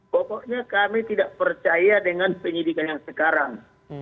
pokoknya kami tidak percaya dengan penyidikan yang sekarang